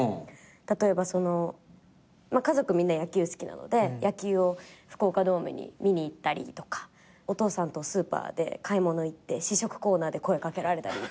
例えば家族みんな野球好きなので福岡ドームに見に行ったりとかお父さんとスーパーで買い物行って試食コーナーで声掛けられたり。